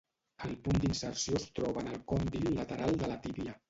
El punt d'inserció es troba en el còndil lateral de la tíbia.